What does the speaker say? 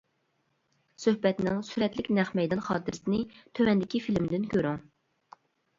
سۆھبەتنىڭ سۈرەتلىك نەق مەيدان خاتىرىسىنى تۆۋەندىكى فىلىمدىن كۆرۈڭ!